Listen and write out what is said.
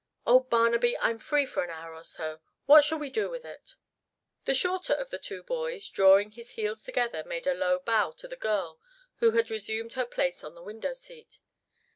Oh, Barnaby, I'm free for an hour or so. What shall I do with it?" The shorter of the two boys, drawing his heels together, made a low bow to the girl who had resumed her place on the window seat.